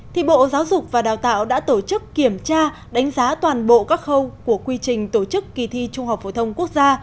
thì bộ giáo dục và đào tạo đã tổ chức kiểm tra đánh giá toàn bộ các khâu của quy trình tổ chức kỳ thi trung học phổ thông quốc gia